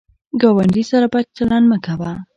ګاونډي سره بد چلند مه کوه